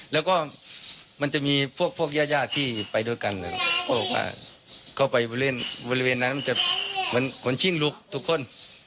แล้วก็มันจะมีพวกญาติญาติที่ไปด้วยกันเข้าไปเล่นบริเวณนั้นจะเหมือนขนชิ่งลุกทุกคน